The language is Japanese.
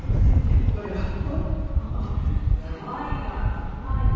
騒いだ。